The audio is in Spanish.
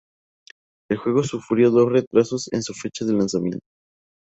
El juego sufrió dos retrasos en su fecha de lanzamiento.